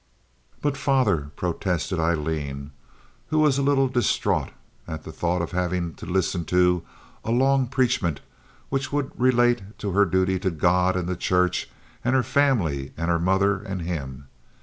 "But father," protested Aileen, who was a little distraught at the thought of having to listen to a long preachment which would relate to her duty to God and the Church and her family and her mother and him.